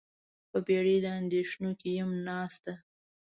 په بیړۍ د اندیښنو کې یمه ناسته